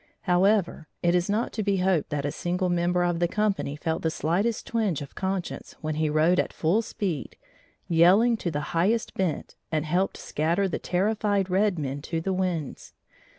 However, it is not to be hoped that a single member of the company felt the slightest twinge of conscience when he rode at full speed, yelling to the highest bent, and helped scatter the terrified red men to the winds.